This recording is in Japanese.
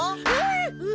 えっ！？